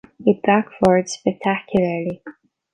It backfired spectacularly.